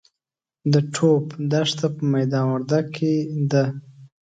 د ټوپ دښته په میدا وردګ ولایت کې ده.